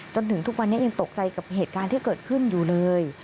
จนถึงทุกวันนี้ยังตกใจกับเหตุการณ์ที่เกิดขึ้นอยู่เลย